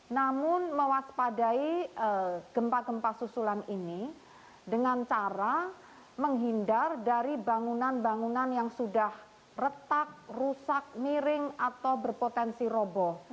namun mewaspadai gempa gempa susulan ini dengan cara menghindar dari bangunan bangunan yang sudah retak rusak miring atau berpotensi roboh